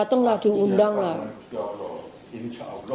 ya datang lah diundang lah